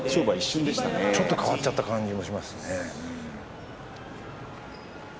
ちょっと変わった感じもしましたね。